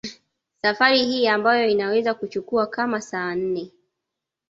Safari hii ambayo inaweza kuchukua kama saa nne